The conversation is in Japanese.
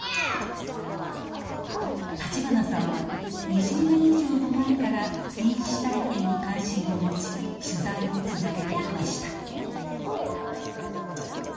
立花さんは２０年以上も前から臨死体験に関心を持ち取材を続けてきました。